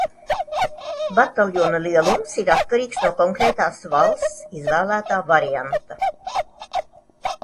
Bataljona lielums ir atkarīgs no konkrētās valsts izvēlētā varianta.